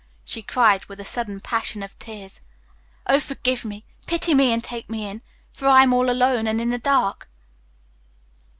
she cried, with a sudden passion of tears. "Oh, forgive me, pity me, and take me in, for I am all alone and in the dark!"